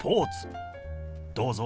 どうぞ。